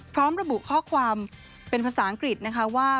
พร้อมระบุข้อความเป็นภาษาอังกฤษนะคะว่า